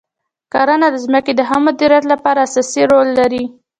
کرنه د ځمکې د ښه مدیریت لپاره اساسي رول لري.